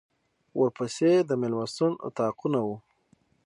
ورپسې د مېلمستون اطاقونه وو.